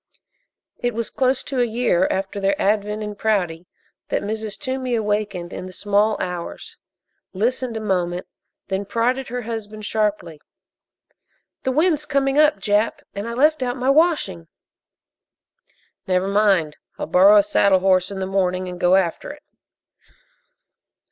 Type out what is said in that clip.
It was close to a year after their advent in Prouty that Mrs. Toomey awakened in the small hours, listened a moment, then prodded her husband sharply: "The wind's coming up, Jap, and I left out my washing." "Never mind I'll borrow a saddle horse in the morning and go after it."